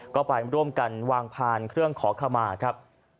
ก็ไปร่วมกันวางพานเครื่องขอขมาครับ